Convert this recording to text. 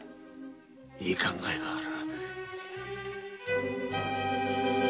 いい考えがある。